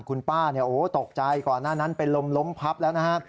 คุณป้าตกใจก่อนหน้านั้นเป็นลมล้มพับแล้วนะฮะ